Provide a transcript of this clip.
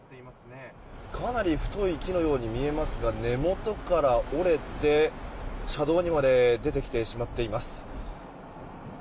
かなり太い木のように見えますが根元から折れて、車道にまで出てきてしまっています。